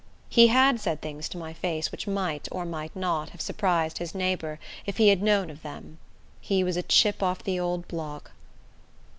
He had said things to my face which might, or might not, have surprised his neighbor if he had known of them. He was "a chip of the old block."